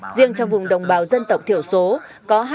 riêng trong vùng đồng bào dân tộc thiểu số có hai mươi chín